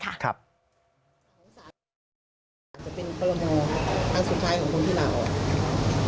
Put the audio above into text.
จะเป็นปรมโมงค์ครั้งสุดท้ายของคนที่ลาออก